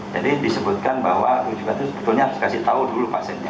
jadi disebutkan bahwa sebetulnya harus kasih tahu dulu pasiennya